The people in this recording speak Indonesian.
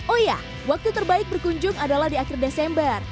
oh iya waktu terbaik berkunjung adalah di akhir desember